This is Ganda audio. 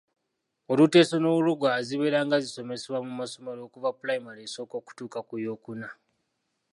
Oluteeso n’Olulugwara, zibeera nga zisomesebwa mu masomero okuva pulayimale esooka okutuuka ku yookuna.